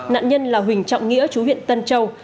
nạn nhân là huỳnh trọng nghĩa chú huyện tân châu